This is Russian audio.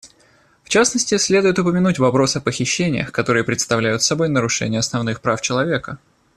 В частности, следует упомянуть вопрос о похищениях, которые представляют собой нарушения основных прав человека.